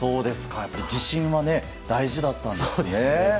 やっぱり自信は大事だったんですね。